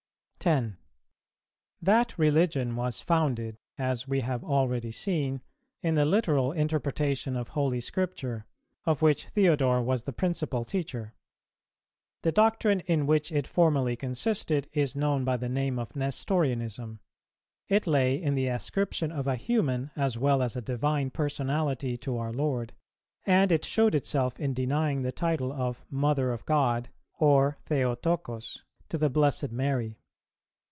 10. That religion was founded, as we have already seen, in the literal interpretation of Holy Scripture, of which Theodore was the principal teacher. The doctrine, in which it formally consisted, is known by the name of Nestorianism: it lay in the ascription of a human as well as a Divine Personality to our Lord; and it showed itself in denying the title of "Mother of God," or θεοτόκος, to the Blessed Mary.